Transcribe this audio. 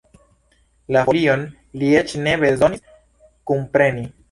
La folion li eĉ ne bezonis kunpreni!